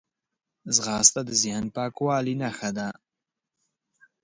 ځغاسته د ذهن پاکوالي نښه ده